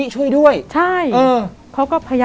หึ